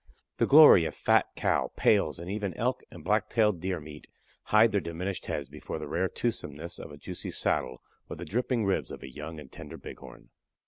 "The glory of fat cow pales, and even elk and black tailed deer meat hide their diminished heads before the rare toothsomeness of a juicy saddle or the dripping ribs of a young and tender Bighorn."